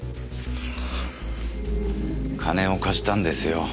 金を貸したんですよ。